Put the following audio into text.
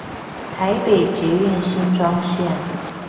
台北捷運新莊線